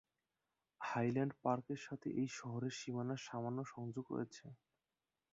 Highland Park এর সাথে এই শহরের সীমানার সামান্য সংযোগ রয়েছে।